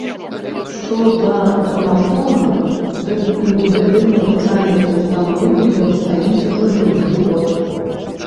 Што да дамафона, дык і ў гэтай навучальнай установе ён стаіць ужо другі год.